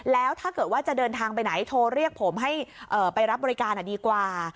แล้วถ้าเกิดว่าจะเดินทางไปไหนโทรเรียกผมให้ไปรับบริการดีกว่า